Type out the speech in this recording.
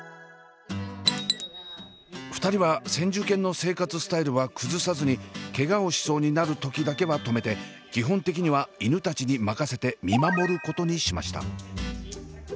２人は先住犬の生活スタイルは崩さずにケガをしそうになる時だけは止めて基本的には犬たちに任せて見守ることにしました。